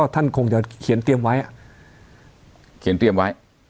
ท่านคงจะเขียนเตรียมไว้